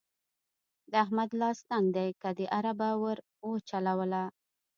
د احمد لاس تنګ دی؛ که دې اربه ور وچلوله.